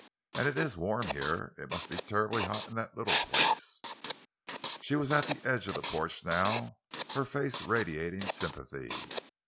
"And it is warm here; it must be terribly hot in that little place!" She was at the edge of the porch now, her face radiating sympathy.